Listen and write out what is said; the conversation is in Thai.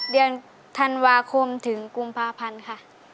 เดือนธันวาคมถึงกุมภาพันธ์ค่ะ